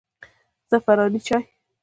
زعفراني چای